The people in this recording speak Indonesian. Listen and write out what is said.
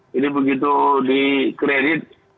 jadi begitu di kredit